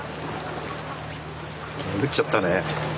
潜っちゃったね。